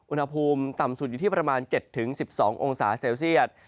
อุณหภูมิต่ำสุดอยู่ที่ประมาณ๗๑๒องศาเซลเซียต